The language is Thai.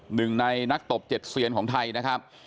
หนึ่งในนักตบ๗เซียนของไทยนะครับ